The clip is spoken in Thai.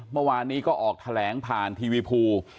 เมื่อวานนี้ก็ออกแถลงผ่านทีวีภู